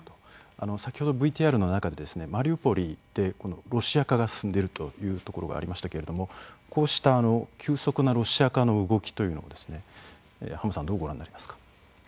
先ほどＶＴＲの中でマリウポリでロシア化が進んでいるというところがありましたけどこうした急速なロシア化の動きというのを浜さんはどうご覧になりますか？